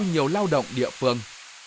nhiều lao động địa phương